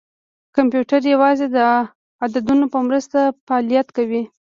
کمپیوټر یوازې د عددونو په مرسته فعالیت کوي.